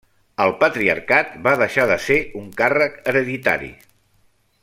El patriarcat va deixar de ser un càrrec hereditari.